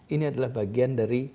ini adalah bagian dari